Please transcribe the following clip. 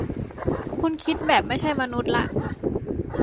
คุณคิดแบบไม่ใช่มนุษย์ละ